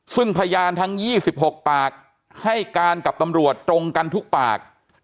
ซึ่งพยานทั้ง๒๖ปากให้การกับตำรวจตรงกันทุกปาก